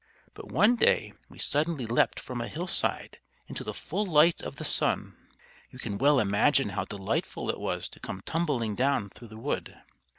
But one day we suddenly leapt from a hillside into the full light of the sun. You can well imagine how delightful it was to come tumbling down through the wood.